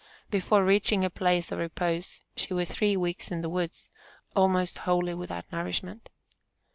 Before reaching a place of repose she was three weeks in the woods, almost wholly without nourishment.